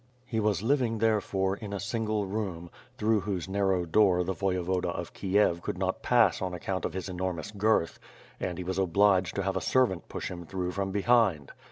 He was living therefore, in a single room, through whose narrow door the Voyevoda of Kiev could not pass on account of his enormous girth and he was obliged to have a servant push him through from behind.